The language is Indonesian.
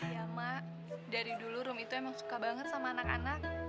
ya mak dari dulu room itu emang suka banget sama anak anak